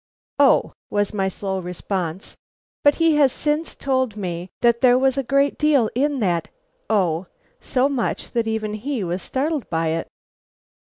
"Oh!" was my sole response; but he has since told me that there was a great deal in that oh; so much, that even he was startled by it.